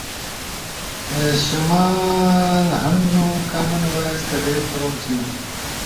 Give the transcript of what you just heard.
شمال ہننُو، کامن وائس کدئی کروم تھینُو؟